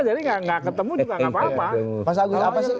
jadi nggak ketemu juga nggak apa apa